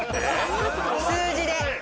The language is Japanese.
数字で。